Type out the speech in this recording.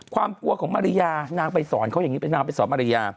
ความกลัวของมาริยานางไปสอนเขาอย่างนี้เป็นนางไปสอนมาริยา